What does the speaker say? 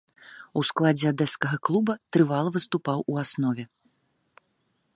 У складзе адэскага клуба трывала выступаў у аснове.